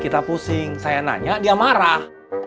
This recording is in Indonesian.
kita pusing saya nanya dia marah